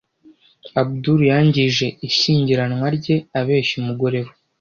Abudul yangije ishyingiranwa rye abeshya umugore we.